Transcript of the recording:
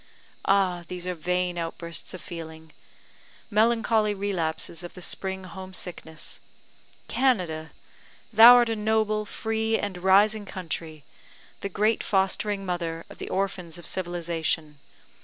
Ah, these are vain outbursts of feeling melancholy relapses of the spring home sickness! Canada! thou art a noble, free, and rising country the great fostering mother of the orphans of civilisation.